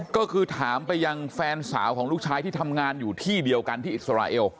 ก็คือถามไปยังแฟนสาวของลูกชายที่ทำงานอยู่ที่เดียวกันที่อิสราเอล